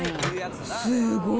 すごい。